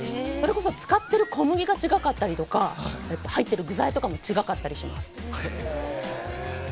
それこそ使っている小麦が違ったりとか入ってる具材とかも違ったりします。